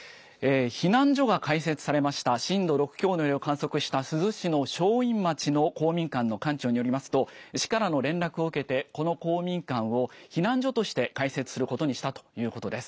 避難所が開設されました、震度６強の揺れを観測した珠洲市の正院町の公民館の館長によりますと、市からの連絡を受けて、この公民館を避難所として開設することにしたということです。